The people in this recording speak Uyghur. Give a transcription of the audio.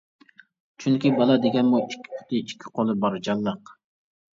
چۈنكى بالا دېگەنمۇ ئىككى پۇتى، ئىككى قولى بار جانلىق.